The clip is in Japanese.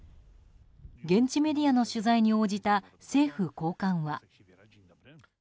現地メディアの取材に応じた政府高官は。